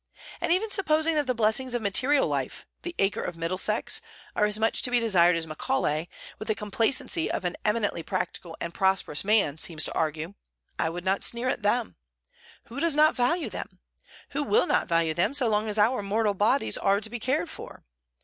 And even supposing that the blessings of material life "the acre of Middlesex" are as much to be desired as Macaulay, with the complacency of an eminently practical and prosperous man, seems to argue, I would not sneer at them. Who does not value them? Who will not value them so long as our mortal bodies are to be cared for?